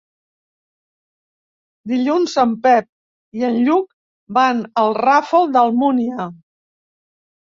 Dilluns en Pep i en Lluc van al Ràfol d'Almúnia.